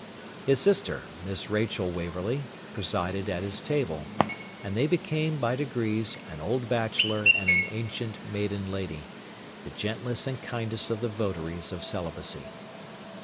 His sister, Miss Rachel Waverley, presided at his table; and they became, by degrees, an old bachelor and an ancient maiden lady, the gentlest and kindest of the votaries of celibacy.